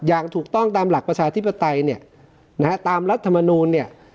อย่างถูกต้องตามหลักประชาธิปไตยเนี่ยนะฮะตามรัฐมนูลเนี่ย